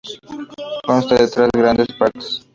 Consta de tres grandes partes.